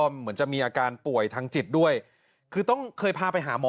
เหมือนจะมีอาการป่วยทางจิตด้วยคือต้องเคยพาไปหาหมอ